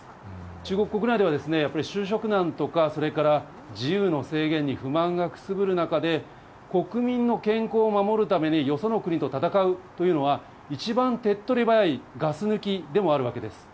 中国国内では、やっぱり就職難とか、それから、自由の制限に不満がくすぶるなかで、国民の健康を守るために、よその国と戦うというのは、一番手っとり早いガス抜きでもあるわけです。